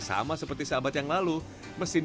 seperti saya ungkapkan